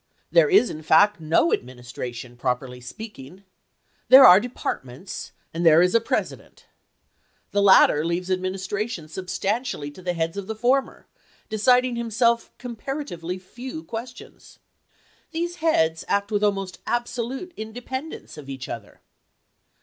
There is, in fact, no Administration, properly speaking. There are departments and there is a THE POMEROY CIRCULAE 313 President. The latter leaves administration sub chap. xii. stantially to the heads of the former, deciding him chase to self comparatively few questions. These heads act "^f^e^^^'' with almost absolute independence of each other."